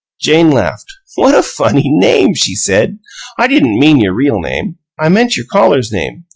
Jane laughed. "What a funny name!" she said. "I didn't mean your real name; I meant your callers' name.